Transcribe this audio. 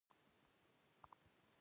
خور له خپلو جامو سره مینه لري.